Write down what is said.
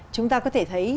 chúng ta có thể thấy